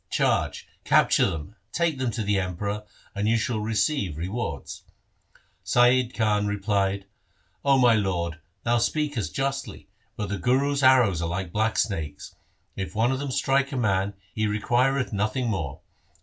Charge, capture them, take them to the Emperor, and you shall receive re wards.' Saiyid Ali replied, ' O my lord, thou speakest justly, but the Guru's arrows are like black snakes. If one of them strike a man, he requireth nothing more.